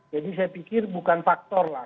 saya pikir bukan faktor lah